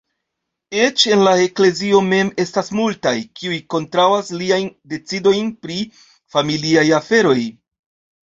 Eĉ en la eklezio mem estas multaj, kiuj kontraŭas liajn decidojn pri familiaj aferoj.